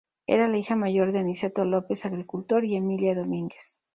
Era la hija mayor de Aniceto López —agricultor— y Emilia Domínguez.